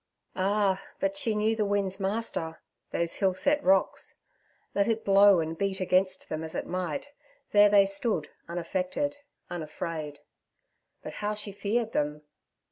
Ah, but she knew the wind's master—those hill set rocks. Let it blow and beat against them as it might, there they stood, unaffected, unafraid. But how she feared them!